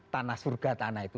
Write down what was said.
tanah surga tanah itu